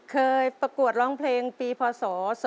ประกวดร้องเพลงปีพศ๒๕๖